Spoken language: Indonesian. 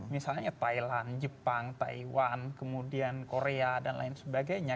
misalnya thailand jepang taiwan kemudian korea dan lain sebagainya